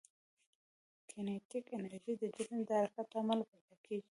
کینیتیک انرژي د جسم د حرکت له امله پیدا کېږي.